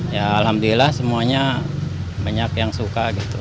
ya alhamdulillah semuanya banyak yang suka gitu